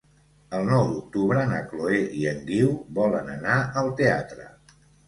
El nou d'octubre na Chloé i en Guiu volen anar al teatre.